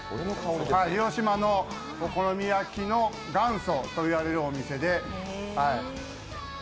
広島のお好み焼きの元祖といわれるお店で。